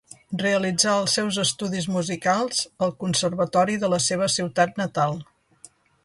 Realitzà els seus estudis musicals al Conservatori de la seva ciutat natal.